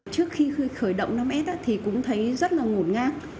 trước khi khởi động năm s thì cũng thấy rất là ngổn ngang